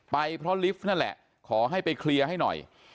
ไปเพราะลิฟต์นั่นแหละขอให้ไปเคลียร์ให้หน่อย